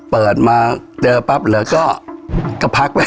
เปิดมาเจอปั๊บแล้วก็ก็พักไปพักเลยค่ะ